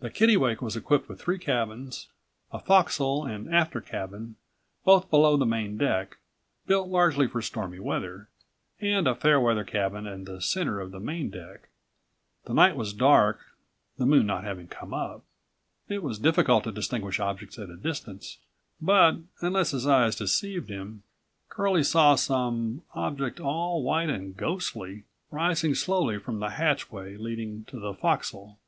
The Kittlewake was equipped with three cabins; a forecastle and aftercabin, both below the main deck, built largely for stormy weather, and a fair weather cabin in the center of the main deck. The night was dark, the moon not having come up. It was difficult to distinguish objects at a distance, but, unless his eyes deceived him, Curlie saw some object, all white and ghostly, rising slowly from the hatchway leading to the forecastle.